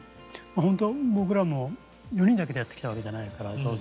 ほんと僕らも４人だけでやってきたわけじゃないから当然。